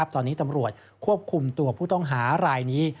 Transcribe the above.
ตอนนี้ตำรวจควบคุมตัวผู้ต้องหารายนี้